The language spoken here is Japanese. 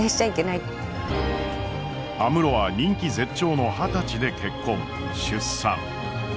安室は人気絶頂の二十歳で結婚出産。